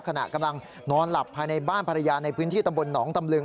ขณะกำลังนอนหลับภายในบ้านภรรยาในพื้นที่ตำบลหนองตำลึง